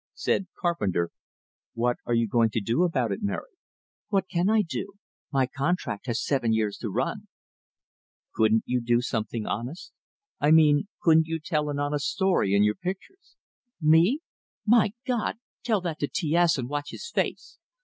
Said Carpenter: "What are you going to do about it, Mary?" "What can I do? My contract has seven years to run." "Couldn't you do something honest? I mean, couldn't you tell an honest story in your pictures?" "Me? My God! Tell that to T S, and watch his face!